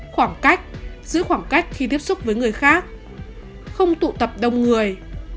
khoảng cách giữ khoảng cách khi tiếp xúc với người khác không tụ tập đông người